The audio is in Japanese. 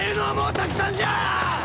たくさんじゃ！